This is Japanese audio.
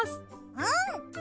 うん！